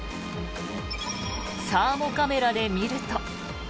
サーモカメラで見ると。